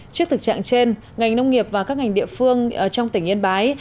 trước thực trạng trên ngành nông nghiệp và các ngành địa phương trong tỉnh yên bái